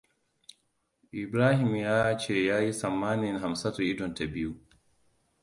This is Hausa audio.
Ibrahim ya ce ya yi tsammanin Hamsatu idonta biyu.